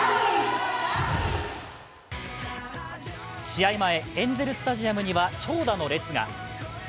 試合前、エンゼルスタジアムには長蛇の列が。